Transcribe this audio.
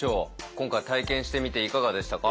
今回体験してみていかがでしたか？